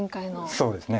そうですね。